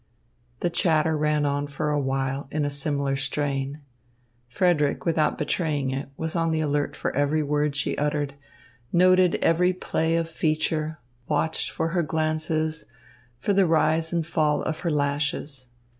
The chatter ran on for a while in a similar strain. Frederick, without betraying it, was on the alert for every word she uttered, noted every play of feature, watched for her glances, for the rise and fall of her lashes.